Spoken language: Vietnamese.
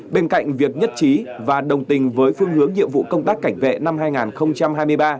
bên cạnh việc nhất trí và đồng tình với phương hướng nhiệm vụ công tác cảnh vệ năm hai nghìn hai mươi ba